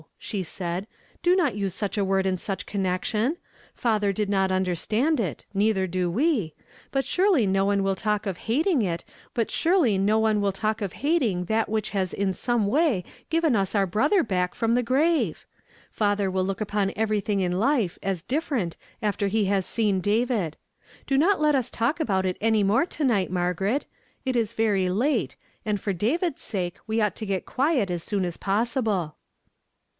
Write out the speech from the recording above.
she said, "Do not nse such a Avord in such connection. Father did not understand it, neither do we; but surely no one will talk of hating that which has in some Avay given us our brothel back from the grave. Father will look upon everything in life as different after he has seen David. Do not let us talk about it any more to night, Margaret. It is very late, and for David's sake we ought to get quiet as soon as possible."